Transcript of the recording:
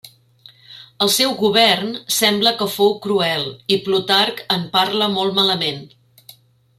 El seu govern sembla que fou cruel i Plutarc en parla molt malament.